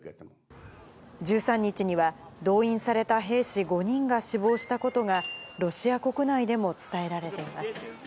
１３日には、動員された兵士５人が死亡したことが、ロシア国内でも伝えられています。